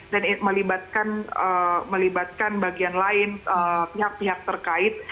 dan melibatkan bagian lain pihak pihak terkait